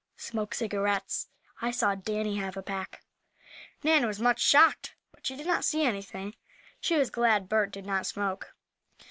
"Smoke cigarettes. I saw Danny have a pack." Nan was much shocked, but she did not see anything. She was glad Bert did not smoke.